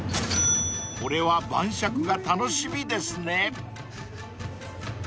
［これは晩酌が楽しみですね］